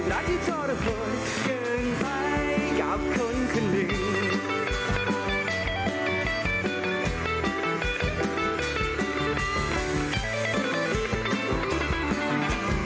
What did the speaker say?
หลักที่ทรพจน์เกินไปกับคนคนอื่น